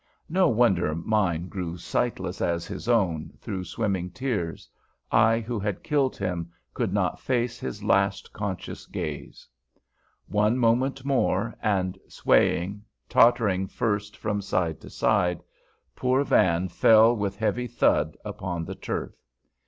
No wonder mine grew sightless as his own through swimming tears. I who had killed him could not face his last conscious gaze. One moment more, and, swaying, tottering first from side to side, poor Van fell with heavy thud upon the turf.